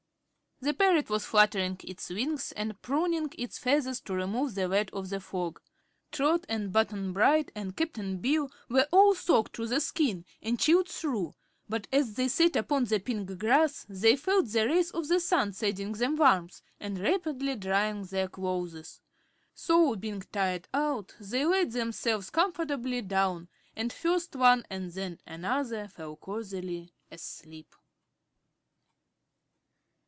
The parrot was fluttering its wings and pruning its feathers to remove the wet of the fog. Trot and Button Bright and Cap'n Bill were all soaked to the skin and chilled through, but as they sat upon the pink grass they felt the rays of the sun sending them warmth and rapidly drying their clothes; so, being tired out, they laid themselves comfortably down and first one and then another fell cosily asleep.